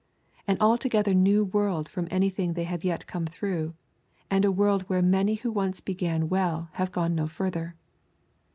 An altogether new world from anything they have yet come through, and a world where many who once began well have gone no further.